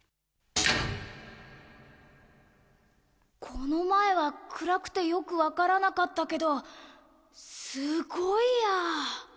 このまえはくらくてよくわからなかったけどすごいや！